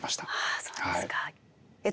あそうですか。